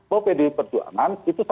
bahwa pdb perjuangan itu